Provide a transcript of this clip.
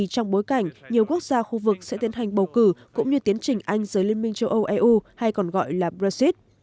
trong bối cảnh nhiều quốc gia khu vực sẽ tiến hành bầu cử cũng như tiến trình anh giới liên minh châu âu eu hay còn gọi là brexit